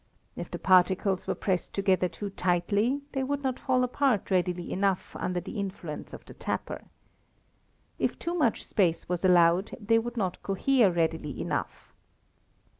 If the particles were pressed together too tightly they would not fall apart readily enough under the influence of the tapper. If too much space was allowed they would not cohere readily enough.